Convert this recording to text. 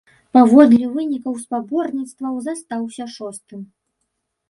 Паводле вынікаў спаборніцтваў застаўся шостым.